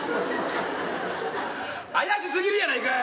怪しすぎるやないかい！